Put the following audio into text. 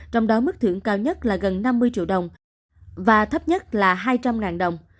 trong đó mức thưởng cao nhất là gần năm mươi triệu đồng và thấp nhất là hai trăm linh đồng